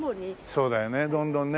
そうだよねどんどんね。